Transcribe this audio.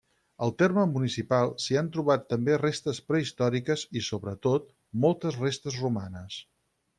Al terme municipal s'hi han trobat també restes prehistòriques i sobretot moltes restes romanes.